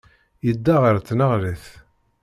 Yedda ɣer tneɣrit.